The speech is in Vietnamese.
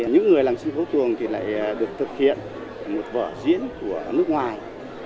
những người làm sân khấu tuồng thì lại được thực hiện một vở diễn của nước ngoài